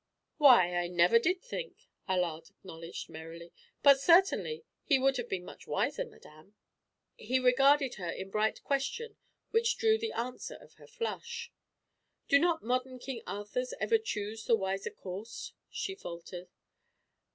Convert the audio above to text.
"Why, I never did think," Allard acknowledged merrily. "But certainly he would have been much wiser, madame." He regarded her in bright question which drew the answer of her flush. "Do not modern King Arthurs ever choose the wiser course?" she faltered.